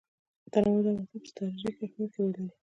تنوع د افغانستان په ستراتیژیک اهمیت کې رول لري.